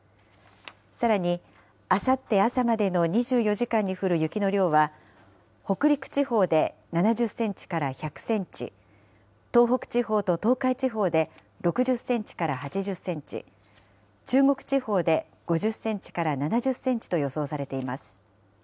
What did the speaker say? さらに、あさって朝までの２４時間に降る雪の量は、北陸地方で７０センチから１００センチ、東北地方と東海地方で６０センチから８０センチ、中国地方で５０センチから７０センチと予想されています。